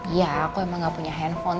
ya aku emang gak punya handphone